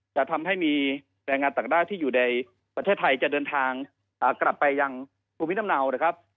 จะทำให้มีแรงงานต่างด้าวที่อยู่ในประเทศไทยจะเดินทางกลับไปยังภูมิลำเนานะครับ